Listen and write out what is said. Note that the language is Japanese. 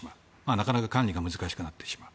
なかなか管理が難しくなってしまう。